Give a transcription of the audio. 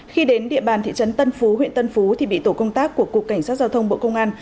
khi đến địa bàn thị trấn tân phú huyện tân phú thì bị tổ công tác của cục cảnh sát giao thông bộ công an